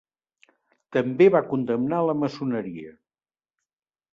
També va condemnar la maçoneria.